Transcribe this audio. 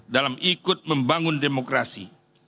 dalam ikut membangun demokrasi